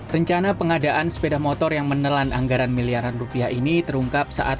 rencana pengadaan sepeda motor yang menelan anggaran miliaran rupiah ini terungkap saat